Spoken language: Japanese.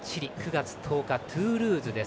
９月１０日、トゥールーズで。